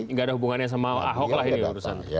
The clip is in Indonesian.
tidak ada hubungannya sama pak ahok lah ini urusan